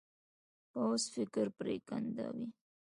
پوخ فکر پرېکنده وي